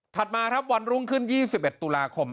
มาครับวันรุ่งขึ้น๒๑ตุลาคม